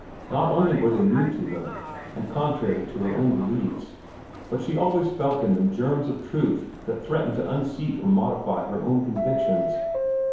Not only were they new to her, and contrary to her own beliefs, but she always felt in them germs of truth that threatened to unseat or modify her own convictions.